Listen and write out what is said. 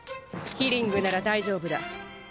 ヒリングなら大丈夫だ。